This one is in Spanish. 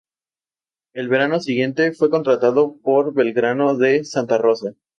El verano siguiente, fue contratado por Belgrano de Santa Rosa.